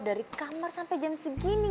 dari kamar sampai jam segini